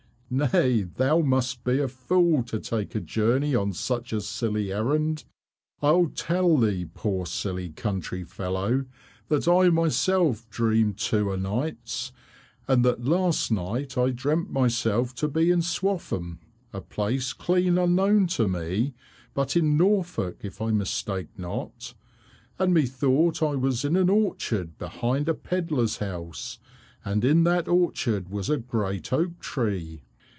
"Nay, thou must be a fool to take a journey on such a silly errand. I'll tell thee, poor silly country fellow, that I myself dream too o' nights, and that last night I dreamt myself to be in Swaffham, a place clean unknown to me, but in Norfolk if I mistake not, and methought I was in an orchard behind a pedlar's house, and in that orchard was a great oak tree.